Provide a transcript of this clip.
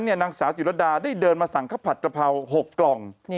ช่วงนั้นนางสาวจิตรัฐดาได้เดินมาสั่งข้าวผัดกระเพา๖กล่อง